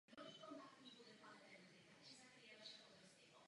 Londýnský přístav měl špatné dopravní spojení s vlastním Londýnem.